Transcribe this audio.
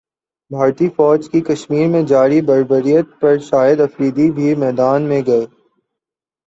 بھارتی فوج کی کشمیرمیں جاری بربریت پر شاہدافریدی بھی میدان میں گئے